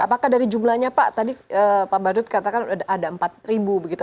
apakah dari jumlahnya pak tadi pak badut katakan ada empat ribu begitu